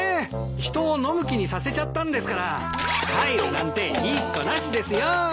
人を飲む気にさせちゃったんですから帰るなんて言いっこなしですよ。